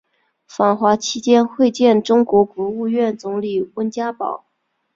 访华期间会见中国国务院总理温家宝。